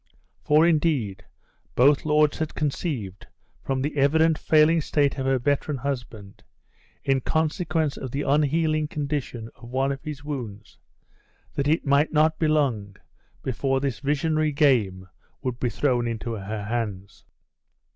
For, indeed, both lords had conceived, from the evident failing state of her veteran husband, in consequence of the unhealing condition of one of his wounds, that it might not be long before this visionary game would be thrown into her hands.